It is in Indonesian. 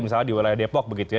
misalnya di wilayah depok begitu ya